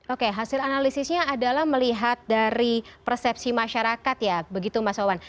oke hasil analisisnya adalah melihat dari persepsi masyarakat ya begitu mas wawan